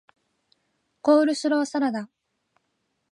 コールスローサラダ